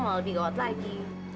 malah lebih gawat lagi